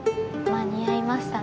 間に合いました。